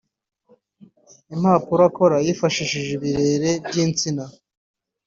impapuro akora yifashishije ibirere by’insina